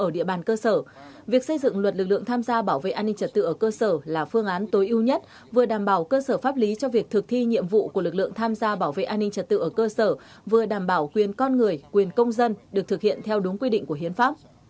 ở địa bàn cơ sở việc xây dựng luật lực lượng tham gia bảo vệ an ninh trật tự ở cơ sở là phương án tối ưu nhất vừa đảm bảo cơ sở pháp lý cho việc thực thi nhiệm vụ của lực lượng tham gia bảo vệ an ninh trật tự ở cơ sở vừa đảm bảo quyền con người quyền công dân được thực hiện theo đúng quy định của hiến pháp